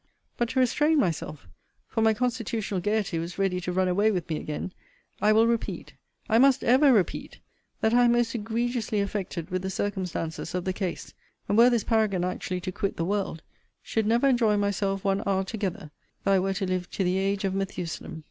But to restrain myself (for my constitutional gayety was ready to run away with me again) I will repeat, I must ever repeat, that I am most egregiously affected with the circumstances of the case: and, were this paragon actually to quit the world, should never enjoy myself one hour together, though I were to live to the age of Methusalem.